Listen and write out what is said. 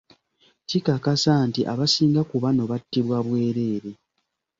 Kikakasa nti abasinga ku bano battibwa bwereere.